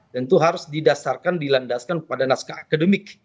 dan itu harus didasarkan dilandaskan pada naskah akademik